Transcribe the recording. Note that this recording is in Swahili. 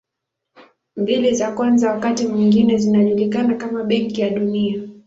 Mbili za kwanza wakati mwingine zinajulikana kama Benki ya Dunia.